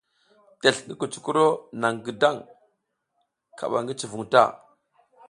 Tesl ngi kucukuro naƞ gidang ka ki cuvun ta.